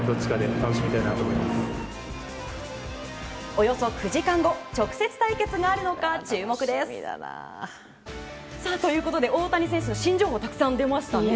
およそ９時間後直接対決があるのか、注目です。ということで大谷選手の新情報たくさん出ましたね。